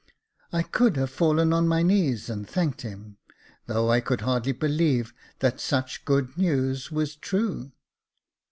I could have fallen on my knees and thanked him, though I could hardly believe that such good news was true.